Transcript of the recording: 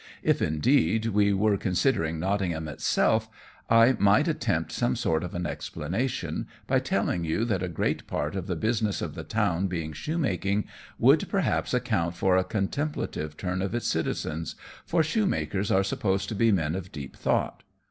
If, indeed, we were considering Nottingham itself I might attempt some sort of an explanation, by telling you that a great part of the business of the town being shoemaking would perhaps account for a contemplative turn of its citizens, for shoemakers are supposed to be men of deep thought.